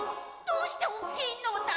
どうしておっきいのだ？